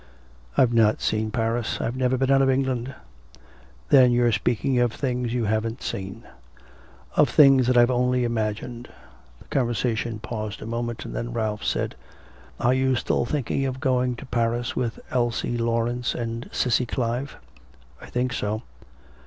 'I've not seen Paris; I've never been out of England.' 'Then you're speaking of things you haven't seen.' 'Of things that I've only imagined.' The conversation paused a moment, and then Ralph said: 'Are you still thinking of going to Paris with Elsie Laurence and Cissy Clive?' 'I think so.